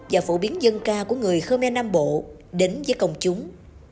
và phổ biến dân ca của người khmer nam bộ đến với công chúng